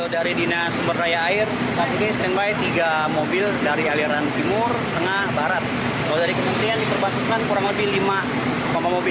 dari aliran kali item dibuang ke kali sunter